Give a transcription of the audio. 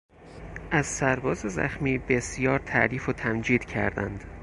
از سرباز زخمی بسیار تعریف و تمجید کردند.